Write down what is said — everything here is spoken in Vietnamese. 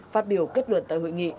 phát biểu kết luận tại hội nghị